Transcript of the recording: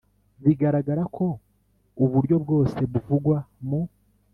bigaragara ko uburyo bwose buvugwa mu